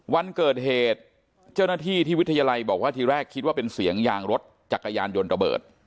วันเกิดเหตุเจ้าหน้าที่ที่วิทยาลัยบอกว่าทีแรกคิดว่าเป็นเสียงยางรถจักรยานยนต์ระเบิด